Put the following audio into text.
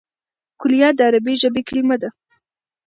کلیات د عربي ژبي کليمه ده.